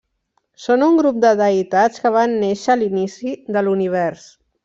Són un grup de deïtats que van néixer a l'inici de l'univers.